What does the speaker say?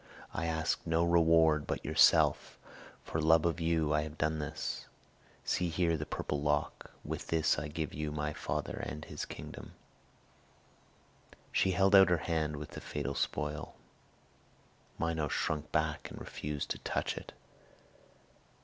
I ask no reward but yourself; for love of you I have done it. See here the purple lock! With this I give you my father and his kingdom." She held out her hand with the fatal spoil. Minos shrunk back and refused to touch it.